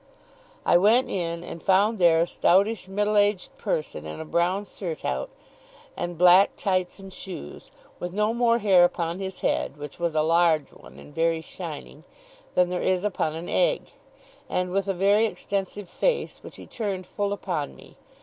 I went in, and found there a stoutish, middle aged person, in a brown surtout and black tights and shoes, with no more hair upon his head (which was a large one, and very shining) than there is upon an egg, and with a very extensive face, which he turned full upon me.